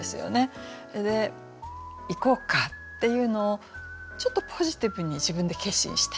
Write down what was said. で行こうかっていうのをちょっとポジティブに自分で決心した。